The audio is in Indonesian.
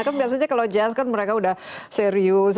kan biasanya kalau jazz kan mereka udah serius